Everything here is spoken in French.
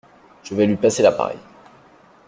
Je vais lui passer l’appareil.